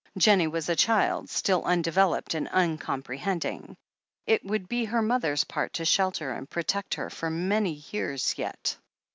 Jennie was a diild still, tindeveloped and uncomprehending. It would be her mother's part to shelter and protect her for many years yet.